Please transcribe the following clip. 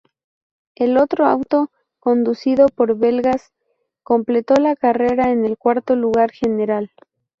El otro auto, conducido por belgas, completó la carrera en el cuarto lugar general.